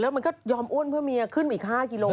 แล้วมันก็ยอมอ้วนเพื่อเมียขึ้นอีก๕กิโลกรัม